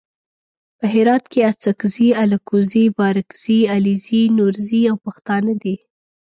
په هرات کې اڅګزي الکوزي بارګزي علیزي نورزي او پښتانه دي.